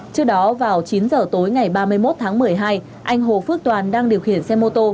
trước đó vào chín giờ tối ngày ba mươi một tháng một mươi hai anh hồ phước toàn đang điều khiển xe mô tô